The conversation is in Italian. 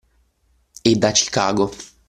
E da Chicago.